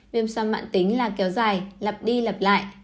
viêm soan mạng tính là kéo dài lập đi lập lại